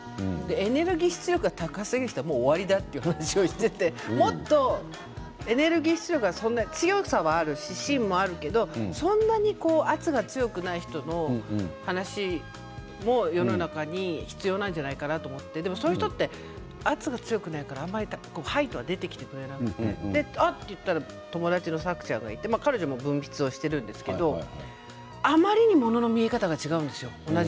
エネルギー出力が高すぎる人はもう終わりだと思っていてもっとエネルギッシュとか強さもあるし芯もあるけどそれ程、圧が強くない人の話が世の中に必要なんじゃないかと思ってそういう人は圧が強くないから出てきてくれなくてあっと言ったら友達の桜林さんがいて彼女も文筆をしているんですけどあまりにもものの見方が違うんですよ。